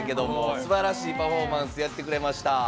すばらしいパフォーマンスやってくれました。